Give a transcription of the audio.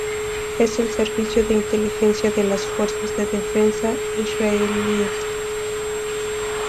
Es el servicio de inteligencia de las Fuerzas de Defensa Israelíes.